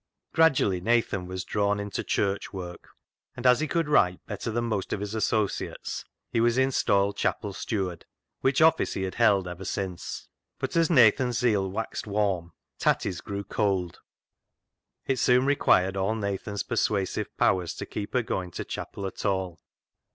Gradually Nathan was drawn into Church work, and as he could write better than most of his associates, was installed chapel steward, which office he had held ever since. But as Nathan's zeal waxed warm. Tatty's grew cold. It soon required all Nathan's persuasive powers to keep her going to chapel at all.